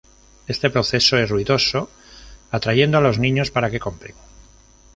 Este proceso es ruidoso, atrayendo a los niños para que compren.